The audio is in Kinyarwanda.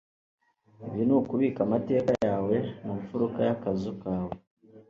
Ibi ni ukubika amateka yawe mu mfuruka y'akazu kawe